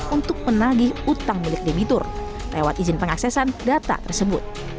untuk menagih utang milik debitur lewat izin pengaksesan data tersebut